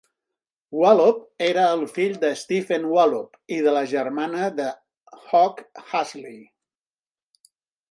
Wallop era el fill de Stephen Wallop i de la germana de Hugh Ashley.